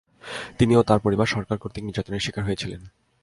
তিনি ও তাঁর পরিবার সরকার কর্তৃক নির্যাতনের শিকার হয়েছিলেন।